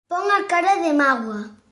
Pon a cara de mágoa